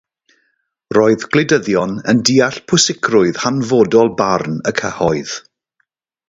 Roedd gwleidyddion yn deall pwysigrwydd hanfodol barn y cyhoedd.